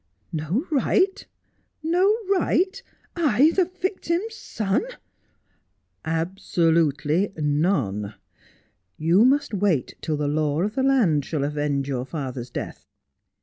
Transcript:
' No right — no right ! I, the victim's son 1 '"°' Absolutely none. You must wait till the law of the land shall avenge your father's death.